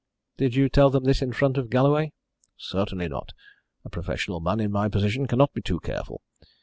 "Did you tell them this in front of Galloway?" "Certainly not. A professional man in my position cannot be too careful.